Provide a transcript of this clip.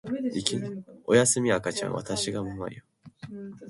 おやすみ赤ちゃんわたしがママよ